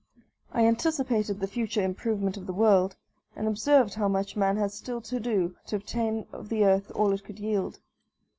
I anticipated the future improvement of the world, and observed how much man has still to do to obtain of the earth all it could yield.